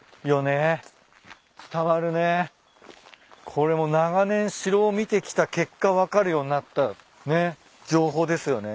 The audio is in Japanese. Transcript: これも長年城を見てきた結果分かるようになったね情報ですよね。